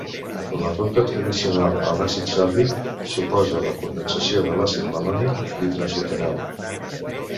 La ruta tradicional a l'àcid sòrbic suposa la condensació de l'àcid malònic i trans-butenal.